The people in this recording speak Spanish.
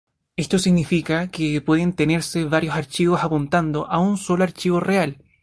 Esto significa que pueden tenerse varios archivos apuntando a un solo archivo real.